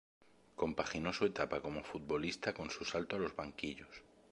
Compaginó su etapa como futbolista con su salto a los banquillos.